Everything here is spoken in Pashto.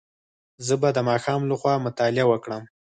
زه به د ماښام له خوا مطالعه وکړم.